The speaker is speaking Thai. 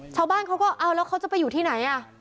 ชาวบ้านเขาก็เอาแล้วเขาจะไปอยู่ที่ไหนอ่ะ